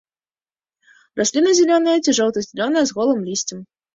Расліна зялёная ці жоўта-зялёная з голым лісцем.